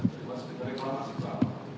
sebenarnya itu masih reklamasi apa